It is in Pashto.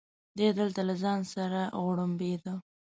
دی دلته له ځان سره غوړمبېده.